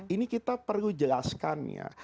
ini kita perlu jelaskannya